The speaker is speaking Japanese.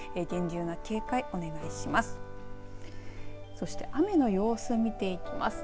そして雨の様子見ていきます。